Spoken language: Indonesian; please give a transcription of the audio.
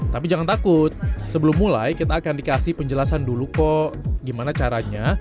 tapi jangan takut sebelum mulai kita akan dikasih penjelasan dulu kok gimana caranya